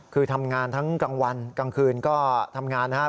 คือทำงานทั้งกลางวันกลางคืนก็ทำงานนะครับ